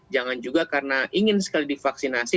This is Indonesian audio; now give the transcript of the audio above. jangan juga karena ingin sekali divaksinasi